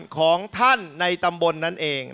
ของท่านในตำบลนั่นเอง